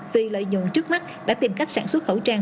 vì lợi nhuận trước mắt đã tìm cách sản xuất khẩu trang